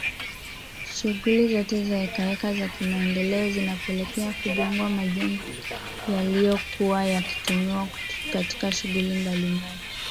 Shughuli zote na hekaheka za kimaendeleo zilipelekea kujengwa majengo yaliyokuwa yakitumiwa katika shughuli mbalimbali